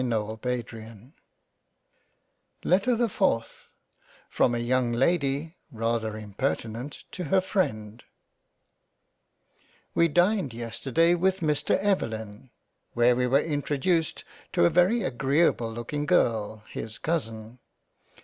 £««£«^«:£««£ LETTER the FOURTH From a YOUNG LADY rather impertinent to her freind WE dined yesterday with Mr Evelyn where we were introduced to a very agreable looking Girl his Cousin.